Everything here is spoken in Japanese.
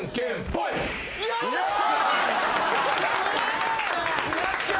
よっしゃ！